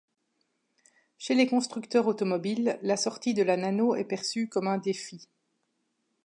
Chez les constructeurs automobiles, la sortie de la Nano est perçue comme un défi.